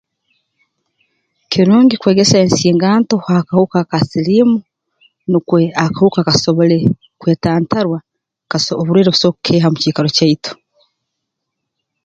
Kirungi kwegesa ensinganto ha kahuka ka siliimu nukwe akahuka kasobole kwetantarwa kaso oburwaire buso kukeeha mu kiikaro kyaitu